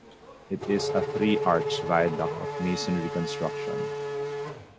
It is a three arch viaduct of masonry construction.